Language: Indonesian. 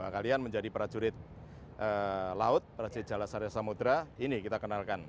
kalian menjadi prajurit laut prajurit jala sarya samudera ini kita kenalkan